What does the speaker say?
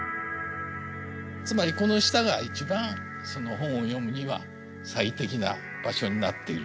つまりこの下が一番本を読むには最適な場所になっている。